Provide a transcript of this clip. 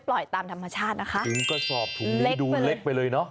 ตามธรรมชาตินะคะถึงกระสอบถุงนี้ดูเล็กไปเลยเนอะ